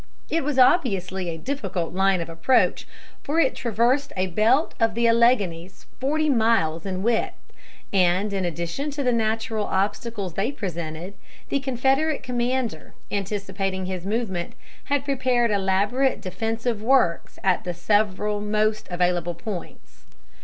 It was obviously a difficult line of approach, for it traversed a belt of the Alleghanies forty miles in width, and in addition to the natural obstacles they presented, the Confederate commander, anticipating his movement, had prepared elaborate defensive works at the several most available points.